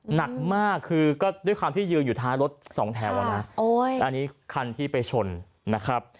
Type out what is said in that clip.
หนักมากคือก็ด้วยความที่ยืนอยู่ท้ายรถสองแถวอ่ะนะอันนี้คันที่ไปชนนะครับ